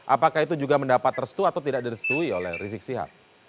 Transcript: apakah itu juga mendapat restu atau tidak direstui oleh rizik sihab